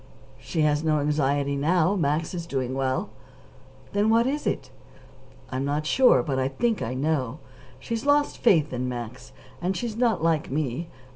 "She has no anxiety now. Max is doing well." "Then what is it?" "I'm not quite sure, but I think I know. She's lost faith in Max, and she's not like me.